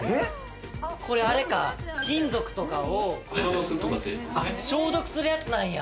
これあれか、金属とかを消毒するやつなんや。